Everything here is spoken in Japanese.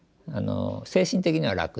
精神的には楽です。